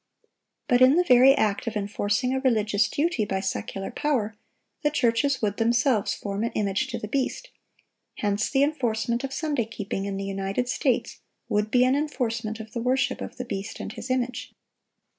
But in the very act of enforcing a religious duty by secular power, the churches would themselves form an image to the beast; hence the enforcement of Sunday keeping in the United States would be an enforcement of the worship of the beast and his image.